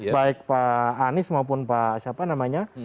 baik pak anies maupun pak siapa namanya